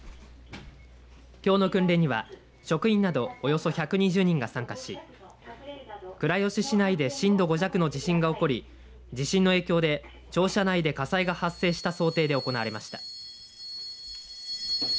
きょうの訓練には職員などおよそ１２０人が参加し倉吉市内で震度５弱の地震が起こり地震の影響で庁舎内で火災が発生した想定で行われました。